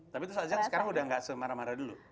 tapi itu saatnya sekarang udah gak semarah marah dulu